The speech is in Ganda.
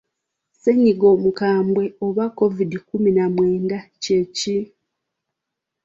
Ssennyiga omukambwe Oba Kovidi kkumi na mwenda kye ki?